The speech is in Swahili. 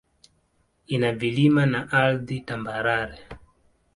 Ina vilima na ardhi tambarare.